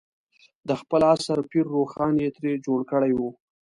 د خپل عصر پير روښان یې ترې جوړ کړی و.